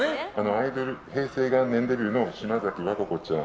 アイドル、平成元年デビューの島崎和歌子ちゃん